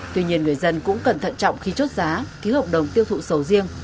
tuy nhiên người dân cũng cẩn thận trọng khi chốt giá ký hợp đồng tiêu thụ sầu riêng